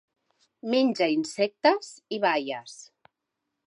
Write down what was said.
Menja insectes i baies.